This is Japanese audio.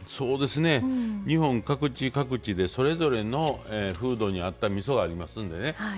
日本各地各地でそれぞれの風土に合ったみそがありますんでね。